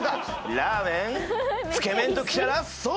ラーメンつけ麺ときたらそう！